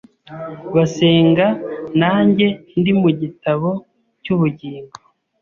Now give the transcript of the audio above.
basenga nanjye ndi mu gitabo cy’ubugingo